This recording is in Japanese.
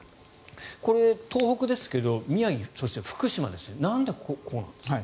これ、東北ですけど宮城、そして福島ですなんで、こうなんですか？